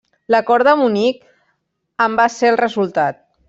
L'Acord de Munic en va ser el resultat.